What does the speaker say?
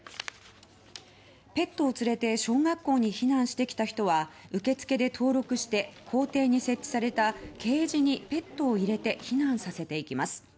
ペットを連れて小学校に避難してきた人は受付で登録して校庭に設置されたケージにペットを入れて避難させていきます。